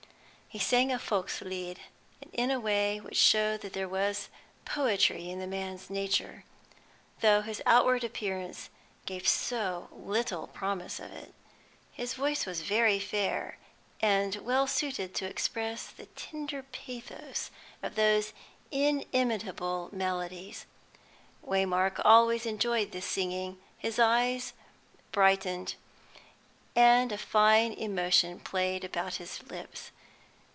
He sang a Volkslied, and in a way which showed that there was poetry in the man's nature, though his outward appearance gave so little promise of it. His voice was very fair, and well suited to express the tender pathos of these inimitable melodies. Waymark always enjoyed this singing; his eyes brightened, and a fine emotion played about his lips.